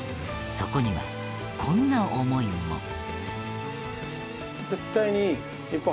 そこにはこんな思いも。